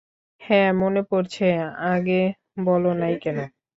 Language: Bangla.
হ্যাঁ, মনে পড়ছে, আগে বলো নাই কেন।